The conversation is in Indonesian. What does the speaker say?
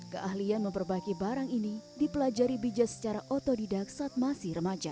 keahlian memperbaiki barang ini dipelajari bija secara otodidak saat masih remaja